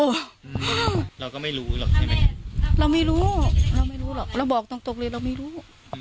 เราก็ไม่รู้หรอกใช่ไหมเราไม่รู้เราไม่รู้หรอกเราบอกตรงตรงเลยเราไม่รู้